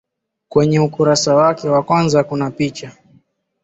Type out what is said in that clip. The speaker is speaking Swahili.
kwenye ukurasa wake wa kwanza kuna picha